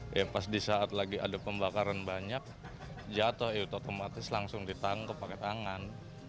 ya pas di saat lagi ada pembakaran banyak jatuh ya otomatis langsung ditangkap pakai tangan